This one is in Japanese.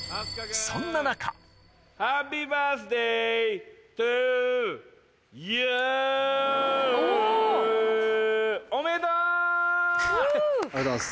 ・そんな中ありがとうございます